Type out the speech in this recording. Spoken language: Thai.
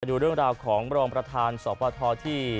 การดูเรื่องราวของบริธารณ์สสวททวธที